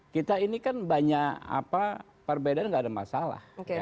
kita ini kan banyak apa perbedaan enggak ada masalah